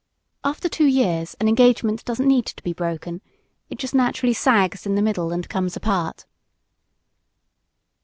After two years, an engagement doesn't need to be broken; it just naturally sags in the middle and comes apart.